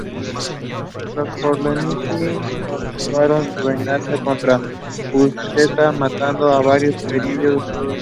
Los corleonesi continuaron su venganza contra Buscetta matando a varios parientes suyos.